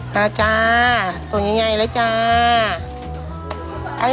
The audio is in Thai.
มาจ้าตัวใหญ่เลยจ้า